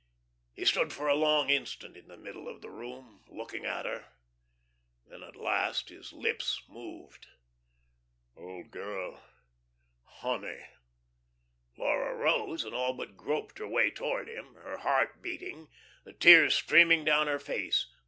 He stood for a long instant in the middle of the room, looking at her. Then at last his lips moved: "Old girl.... Honey." Laura rose, and all but groped her way towards him, her heart beating, the tears streaming down her face.